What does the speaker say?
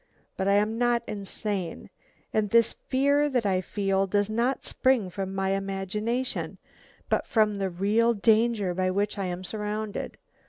But I am not insane, and this fear that I feel does not spring from my imagination, but from the real danger by which I am surrounded.